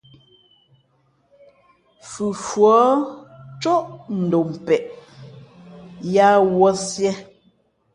Fufuά cóʼ ndom peʼe , yāā wūᾱ sīē.